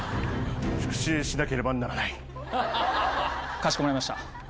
かしこまりました。